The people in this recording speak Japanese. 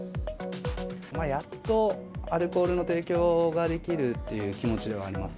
やっとアルコールの提供ができるっていう気持ちではあります。